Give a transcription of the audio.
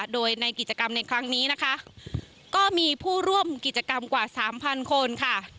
โดยในกิจกรรมในครั้งนี้นะคะก็มีผู้ร่วมกิจกรรมกว่าสามพันคนค่ะ